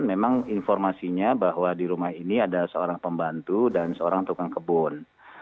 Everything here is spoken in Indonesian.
memang informasinya bahwa di rumah ini ada seorang pembantu dan seorang tukang kebun